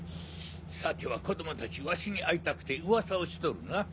さては子供たちワシに会いたくてウワサをしとるな？